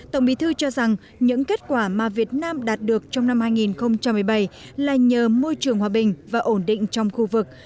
tổng bí thư cho rằng những kết quả mà việt nam đạt được trong năm hai nghìn một mươi bảy là nhờ môi trường hòa bình và ổn định trong khu vực